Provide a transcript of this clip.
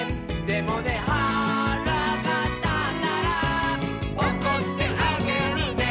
「でもねはらがたったら」「おこってあげるね」